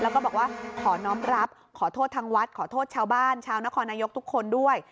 ขอน้องรับขอโทษทางวัดขอโทษชาวบ้านชาวนครนโยคทุกคนด้วย